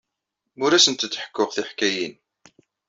Ur asent-d-ḥekkuɣ tiḥkayin.